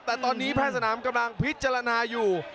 แต่ตอนนี้แพทย์สนามกำลังพิจารณาอยู่